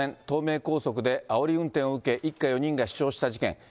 東名高速であおり運転を受け、一家４人が死傷した事件。